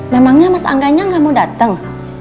memangnya mas angganya gak mau dateng